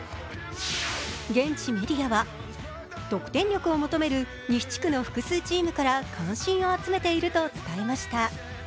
現地メディアは、得点力を求める西地区の複数チームから関心を集めていると伝えました。